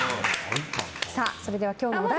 それでは今日のお題。